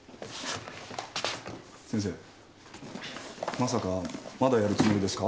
まさかまだやるつもりですか？